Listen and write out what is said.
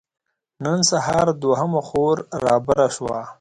نن سهار دوهمه خور رابره شوه.